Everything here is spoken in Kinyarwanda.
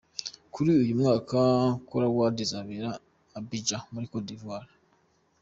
Kuri uyu mwaka Kora Awards izabera i Abidjan muri Côte d’Ivoire.